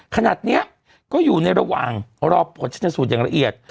ขนาดนี้ก็อยู่ในระหว่างรอผลชนสูตรอย่างละเอียด